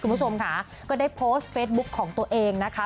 คุณผู้ชมค่ะก็ได้โพสต์เฟซบุ๊คของตัวเองนะคะ